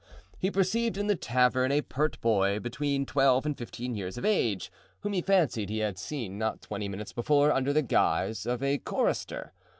He perceived in the tavern a pert boy between twelve and fifteen years of age whom he fancied he had seen not twenty minutes before under the guise of a chorister.